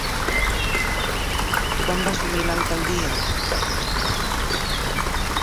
Quan va assumir l'alcaldia?